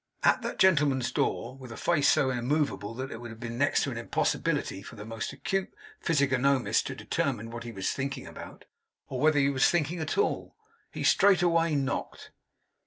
At that gentleman's door; with a face so immovable that it would have been next to an impossibility for the most acute physiognomist to determine what he was thinking about, or whether he was thinking at all; he straightway knocked.